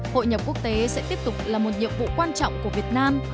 hội nhập quốc tế sẽ tiếp tục là một nhiệm vụ quan trọng của việt nam